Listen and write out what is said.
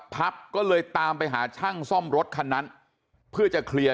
พับก็เลยตามไปหาช่างซ่อมรถคันนั้นเพื่อจะเคลียร์